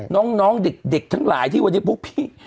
น้องเด็กทั้งหลายที่วันนี้พวกพี่